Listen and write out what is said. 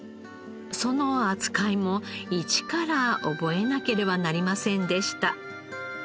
その扱いも一から覚えなければなりませんでした。